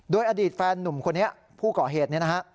โดยอดีตแฟนหนุ่มคนนี้ผู้ก่อเหตุเนี่ยนะฮะ